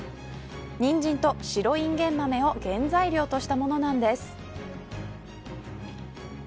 ニンジンと白インゲン豆を原材料としたものなんです。